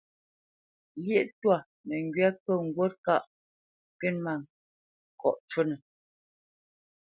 Lyéʼ twâ məŋgywá kə̂ ŋgût ŋgâʼ kywítmâŋkɔʼ cúnə̄.